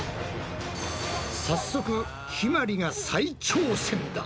早速ひまりが再挑戦だ！